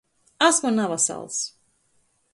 Asmu navasals.